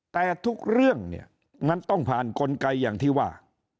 แต่ทุกเรื่องเนี่ยมันต้องผ่านกลไกอย่างที่ว่า